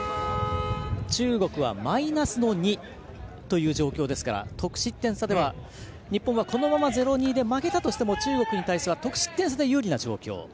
中国はマイナスの２という状況ですから得失点差では日本はこのまま０−２で負けたとしても中国に対しては得失点差で有利な状況。